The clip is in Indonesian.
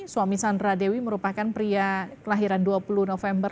suami sandra dewi merupakan pria kelahiran dua puluh november dua ribu delapan belas